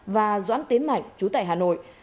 và doãn tiến mạnh trú tại hà nội